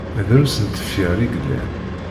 Drus n tefyar i yellan.